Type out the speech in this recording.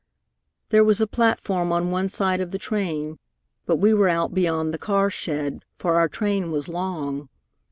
"There was a platform on one side of the train, but we were out beyond the car shed, for our train was long.